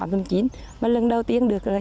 và lần đầu tiên được cấp điện